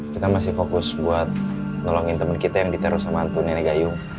kita masih fokus buat nolongin temen kita yang ditaruh sama hantu nenek gayung